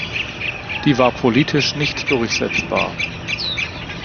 Die war politisch nicht durchsetzbar.